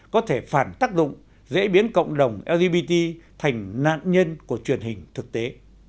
có thể phản tác dụng dễ biến cộng đồng lgbt thành nạn nhân của truyền hình thực tế